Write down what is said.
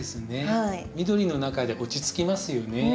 緑の中で落ち着きますよね。